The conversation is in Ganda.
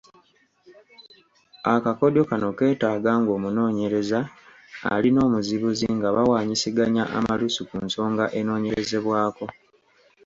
Akakodyo kano keetaaga ng’omunoonyereza ali n’omuzibuzi nga bawaanyisiganya amalusu ku nsonga enoonyeerezebwako.